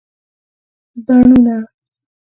بڼونه